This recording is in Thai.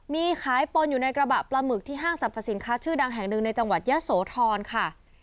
มีขายปนอยู่ในกระบะปลาหมึกที่ห้างสรรพสินค้าชื่อดังแห่งหนึ่งในจังหวัดยะโสธรค่ะ